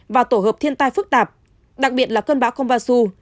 và tổ hợp thiên tai phức tạp đặc biệt là cơn bão komvasu